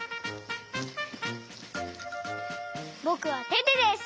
ぼくはテテです！